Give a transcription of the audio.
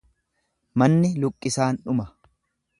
Manni luqqisaan dhuma.